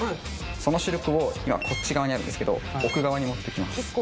そのシルクを今こっち側にあるんですけど奥側に持ってきます